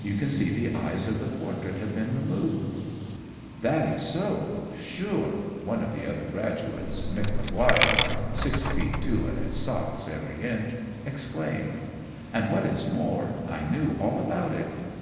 You can see the eyes of the portrait have been removed.' "'That is so, shure,' one of the other undergraduates, Mick Maguire six feet two in his socks, every inch exclaimed. 'And, what is more, I knew all about it.